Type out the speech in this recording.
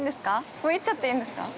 もう行っちゃっていいんですか？